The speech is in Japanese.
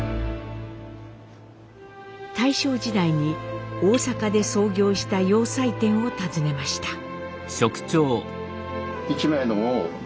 大正時代に大阪で創業した洋裁店を訪ねました。